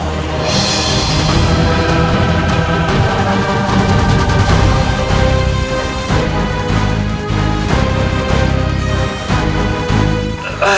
aku rela mati ditanganmu